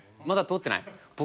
まだ通ってない？